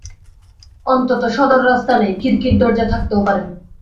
অন্তত সদর রাস্তা নেই, খিড়কির দরজা থাকতেও পারে।